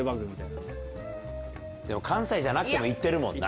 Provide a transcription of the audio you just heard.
関西じゃなくても行ってるもんな